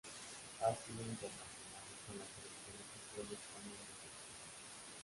Ha sido internacional con la Selección de fútbol de España en dos ocasiones.